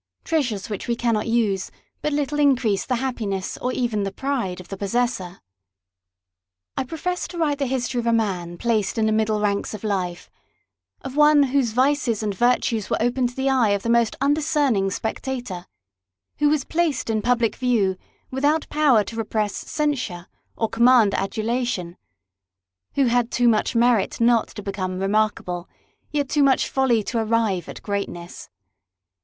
Treasures which we cannot use but little increase the happiness or even the pride of the possessor. I profess to write the history of a man placed in the middle ranks of life ; of one, whose vices and virtues were open to the eye of the most undis cerning spectator ; who was placed in public view without power to repress censure or command adulation ; who had too much merit not to become remarkable, yet too much folly to arrive at greatness.